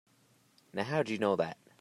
Now how'd you know that?